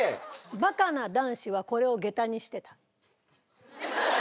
「バカな男子はこれを下駄にしてた」？